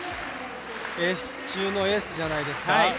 エース中のエースじゃないですか。